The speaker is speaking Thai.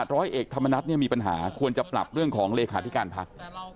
ร้อยเอกธรรมนัฐเนี่ยมีปัญหาควรจะปรับเรื่องของเลขาธิการพัก